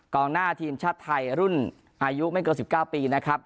หน้าทีมชาติไทยรุ่นอายุไม่เกิน๑๙ปีนะครับ